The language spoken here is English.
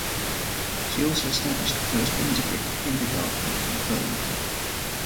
She also established the first integrated kindergarten in Burlington.